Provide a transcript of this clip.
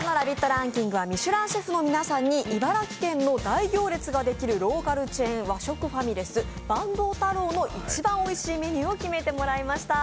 ランキングは、ミシュランシェフの皆さんに茨城県の大行列ができるローカルチェーン和食ファミレス、ばんどう太郎の一番おいしいメニューを決めてもらいました。